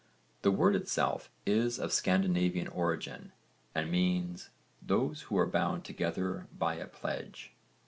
The word itself is of Scandinavian origin and means 'those who are bound together by a pledge.'